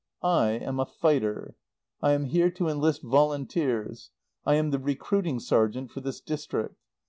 I am a fighter. I am here to enlist volunteers. I am the recruiting sergeant for this district.